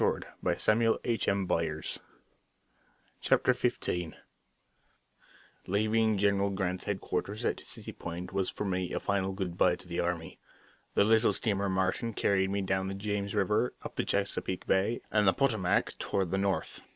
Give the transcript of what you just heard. The last man of the regiment. Leaving General Grant's headquarters at City Point was for me a final good by to the army. The little steamer Martin carried me down the James River, up the Chesapeake Bay, and the Potomac, toward the North.